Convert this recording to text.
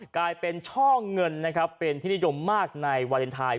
กลายเป็นช่อเงินนะครับเป็นที่นิยมมากในวาเลนไทย